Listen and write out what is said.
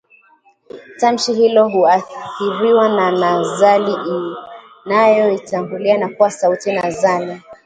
tamshi hilo huathiriwa na nazali inayoitangulia na kuwa sauti nazali